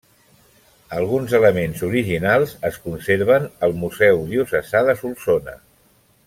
Alguns elements originals es conserven al Museu Diocesà de Solsona.